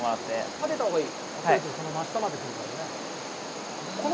立てたほうがいい？